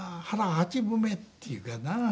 八分目っていうかな。